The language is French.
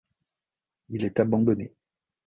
Il est abandonné.